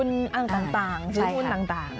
ลงทุนต่างซื้อหุ้นต่าง